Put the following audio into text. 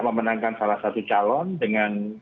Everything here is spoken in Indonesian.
memenangkan salah satu calon dengan